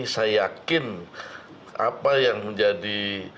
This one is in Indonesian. saya yakin apa yang menjadi